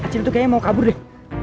kecil tuh kayaknya mau kabur deh